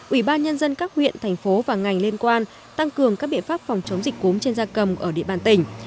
ubnd các huyện thành phố và ngành liên quan tăng cường các biện pháp phòng chống dịch cúm trên gia cầm ở địa bàn tỉnh